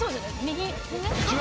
右にね。